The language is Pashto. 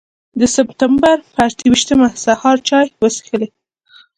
د سپټمبر پر اته ویشتمه سهار چای وڅښلې.